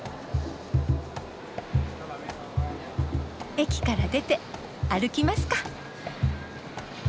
駅から出て歩きますか。